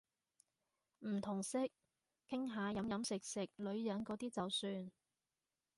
唔同色，傾下飲飲食食女人嗰啲就算